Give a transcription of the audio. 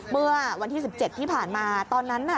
เมื่อวันที่๑๗ที่ผ่านมาตอนนั้นน่ะ